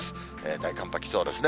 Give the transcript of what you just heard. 大寒波来そうですね。